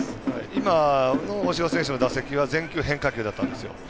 今の大城選手の打席は全球変化球だったんです。